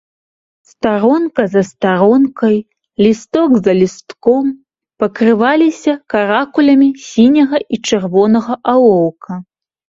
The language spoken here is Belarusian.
Старонка за старонкай, лісток за лістком пакрываліся каракулямі сіняга і чырвонага алоўка.